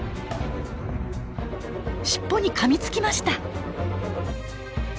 尻尾にかみつきました。